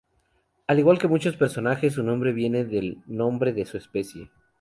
Al igual que muchos personajes, su nombre viene del nombre de su especie.